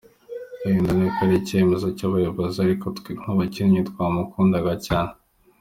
Wenda ni uko ari icyemezo cy’abayobozi ariko twe nk’abakinnyi twamukundaga cyane.